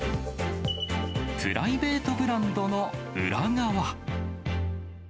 プライベートブランドの裏側。